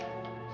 jangan lupa ya